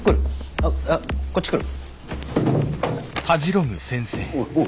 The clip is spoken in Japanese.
あっこっち来る？